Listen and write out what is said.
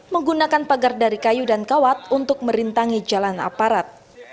menggunakan pagar dari kayu dan kawat untuk merintangi jalan aparat